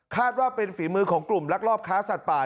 ว่าเป็นฝีมือของกลุ่มลักลอบค้าสัตว์ป่า